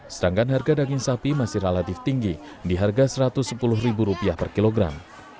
sedangkan harga daging sapi masih relatif tinggi di harga rp satu ratus sepuluh per kilogram